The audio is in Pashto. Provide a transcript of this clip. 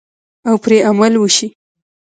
او پرې عمل وشي.